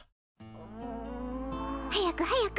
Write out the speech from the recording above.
うん。早く早く。